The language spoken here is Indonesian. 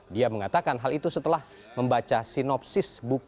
dia mengatakan hal itu setelah memperbaiki